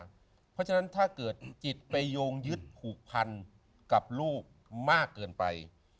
เพราะฉะนั้นถ้าเกิดจิตไปโยงยึดผูกพันกับลูกมากเกินไป